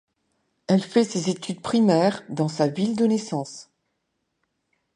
Elle fait ses études primaires dans sa ville de naissance.